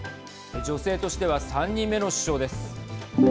女性としては３人目の首相です。